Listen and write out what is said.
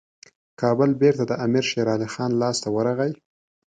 کابل بیرته د امیر شېرعلي خان لاسته ورغی.